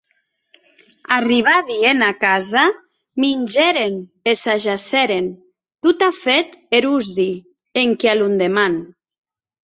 Arribadi ena casa, mingèren e s’ajacèren, totafèt erosi, enquia londeman.